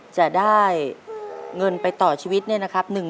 จะได้เงินไปต่อชีวิตเนี่ยนะครับ